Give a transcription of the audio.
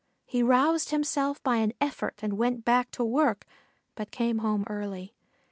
He roused himself by an effort and went back to work, but came home early.